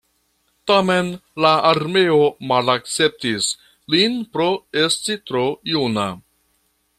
Tamen la armeo malakceptis lin pro esti tro juna.